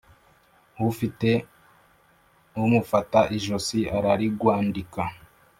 Ufite umufata ijosi ararigwandika.